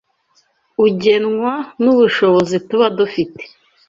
ugenwa n’ubushobozi tuba dufite